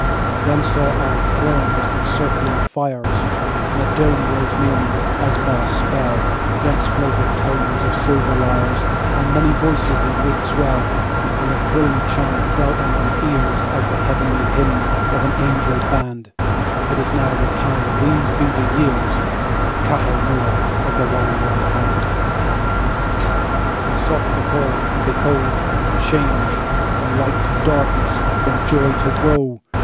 Then saw I thronesAnd circling fires, And a Dome rose near me, as by a spell, Whence flowed the tonesOf silver lyres, And many voices in wreathèd swell; And their thrilling chimeFell on mine earsAs the heavenly hymn of an angel band—"It is now the timeThese be the years, Of Cahal Mór of the Wine red Hand."I sought the hall, And behold!—a changeFrom light to darkness, from joy to woe!